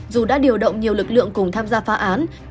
dù đã điều động nhiều lực lượng cùng tham gia phá án